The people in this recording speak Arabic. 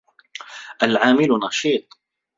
الْعَامِلُ نَشِيطٌ.